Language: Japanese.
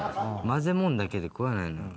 混ぜもんだけで食わないのよ。